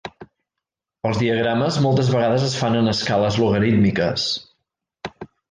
Els diagrames moltes vegades es fan en escales logarítmiques.